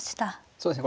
そうですね。